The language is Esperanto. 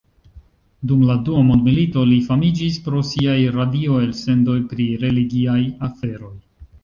Dum la Dua mondmilito li famiĝis pro siaj radio-elsendoj pri religiaj aferoj.